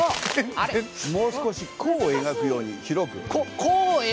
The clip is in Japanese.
もう少し弧を描くように。